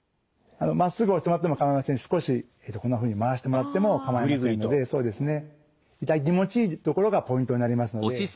まっすぐ押してもらっても構いませんし少しこんなふうに回してもらっても構いませんので痛気持ちいい所がポイントになりますので。